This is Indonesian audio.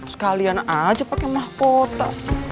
sekalian aja pake mahkota